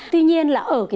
tuy nhiên là ở đây